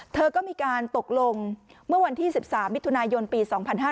เธอก็มีการตกลงเมื่อวันที่๑๓มิถุนายนปี๒๕๕๙